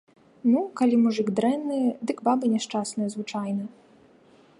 Ну, калі мужык дрэнны, дык баба няшчасная звычайна.